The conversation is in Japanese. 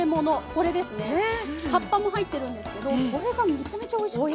葉っぱも入ってるんですけどこれがめちゃめちゃおいしくて。